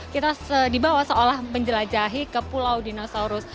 kita dibawa seolah menjelajahi ke pulau dinosaurus